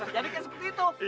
jadi kayak seperti itu